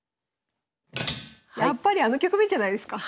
やっぱりあの局面じゃないですか。